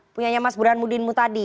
punyanya mas buruhan mudinmu tadi